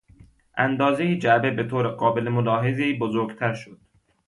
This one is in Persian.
اندازهی جعبه به طور قابل ملاحظهای بزرگتر شد.